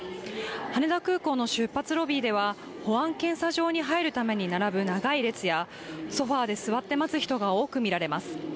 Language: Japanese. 羽田空港の出発ロビーでは保安検査場に入るために並ぶ長い列やソファーで座って待つ人が多く見られます。